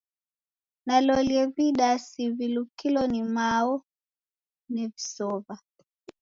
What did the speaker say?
Nalolie vidasi vilukilo ni mao nevisow'a.